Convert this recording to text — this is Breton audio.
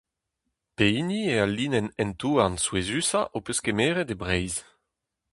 Pehini eo al linenn hent-houarn souezhusañ ho peus kemeret e Breizh ?